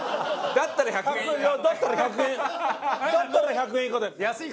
だったら１００円以下で。